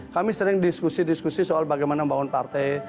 kami sering diskusi diskusi soal bagaimana membangun partai